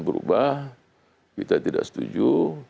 berubah kita tidak setuju